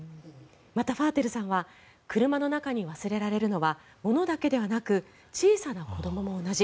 また、ファーテルさんは車の中に忘れられるのはものだけではなく小さな子どもも同じ。